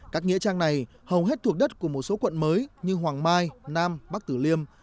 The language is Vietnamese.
các nghĩa trang này hầu hết thuộc đất của một số quận mới như hoàng mai nam bắc tử liêm